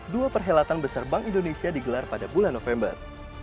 dua perhelatan besar bank indonesia digelar pada bulan november